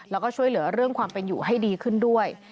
แล้วก็ช่วยเหลือเรื่องความเป็นอยู่ให้ดีขึ้นด้วย